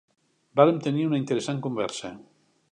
Vàrem tenir una interessant conversa.